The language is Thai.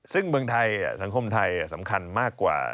ซึ่งเมืองไทยสังคมไทยสำคัญมากกว่า